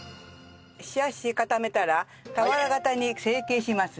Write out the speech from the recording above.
冷やし固めたら俵形に成形します。